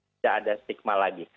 tidak ada stigma lagi